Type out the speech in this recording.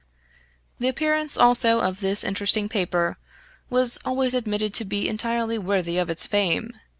The appearance also of this interesting paper was always admitted to be entirely worthy of its fame.